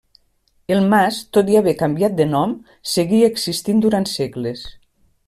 El mas, tot i haver canviat de nom, seguí existint durant segles.